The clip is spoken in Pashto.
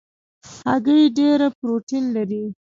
هګۍ ډېره پروټین لري.